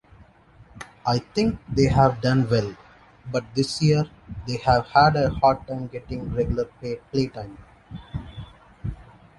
I think they have done well, but this year they have had a hard time getting regular playtime.